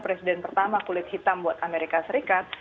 presiden pertama kulit hitam buat amerika serikat